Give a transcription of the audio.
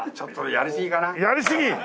やりすぎ！？